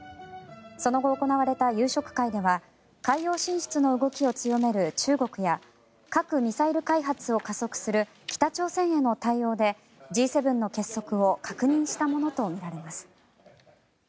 その後、行われた夕食会では海洋進出の動きを強める中国や核・ミサイル開発を加速する北朝鮮への対応でＧ７の結束を確認したものとみられます。